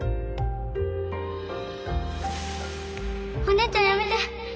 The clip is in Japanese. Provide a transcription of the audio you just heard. お姉ちゃんやめて！